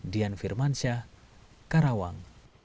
dian firmansyah karawang